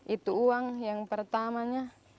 itu uang yang pertamanya